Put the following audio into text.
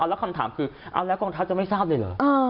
แล้วคำถามคือเอาแล้วกองทัพจะไม่ทราบเลยเหรอ